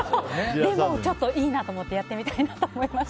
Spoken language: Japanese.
でも、ちょっといいなと思ってやってみたいなと思いました。